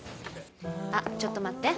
あっちょっと待って。